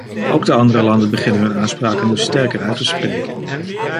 Ook de andere landen beginnen hun aanspraken nu sterker uit te spreken.